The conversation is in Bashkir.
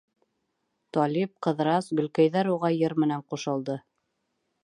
Талип, Ҡыҙырас, Гөлкәйҙәр уға йыр менән ҡушылды.